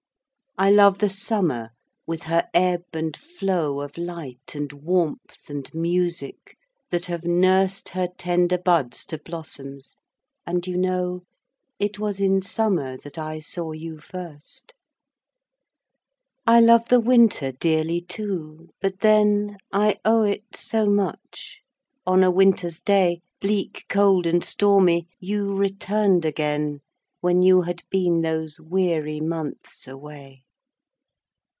I love the summer with her ebb and flow Of light, and warmth, and music that have nurst Her tender buds to blossoms ... and you know It was in summer that I saw you first. I love the winter dearly too, ... but then I owe it so much; on a winter's day, Bleak, cold, and stormy, you returned again, When you had been those weary months away.